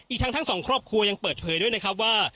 ทั้งสองครอบครัวยังเปิดเผยด้วยนะครับว่า